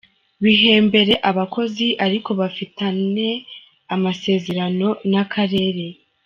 Bihembere abakozi ariko bafitane amasezerano n’akarere.